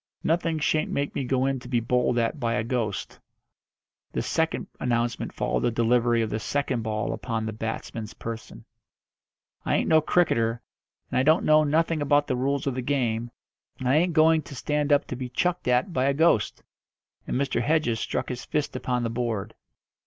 "Nothing shan't make me go in to be bowled at by a ghost." This second announcement followed the delivery of the second ball upon the batsman's person. "I ain't no cricketer, and I don't know nothing about the rules of the game, and I ain't going to stand up to be chucked at by a ghost," and Mr. Hedges struck his fist upon the board.